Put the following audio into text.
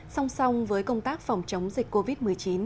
song song với công tác phòng chống dịch covid một mươi chín